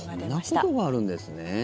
こんなことがあるんですね。